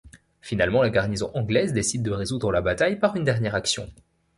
Finalement, la garnison anglaise décide de résoudre la bataille par une dernière action.